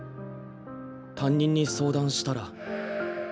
担任に相談したら。